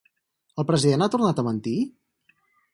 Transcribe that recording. El president ha tornat a mentir?